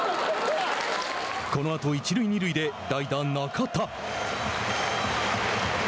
このあと一塁二塁で代打中田。